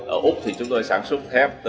ở úc thì chúng tôi sản xuất thép từ